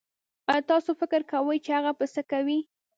ايا تاسو فکر کوي چې هغه به سه کوئ